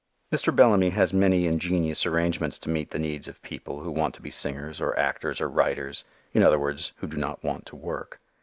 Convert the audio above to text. Mr. Bellamy has many ingenious arrangements to meet the needs of people who want to be singers or actors or writers, in other words, who do not want to work.